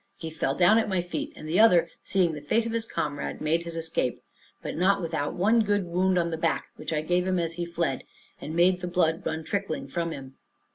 He fell down at my feet; and the other, seeing the fate of his comrade, made his escape, but not without one good wound on the back, which I gave him as he fled, and made the blood run trickling from him.